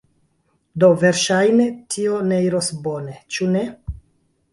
Do verŝajne, tio ne iros bone, ĉu ne?